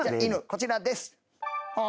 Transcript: こちらです。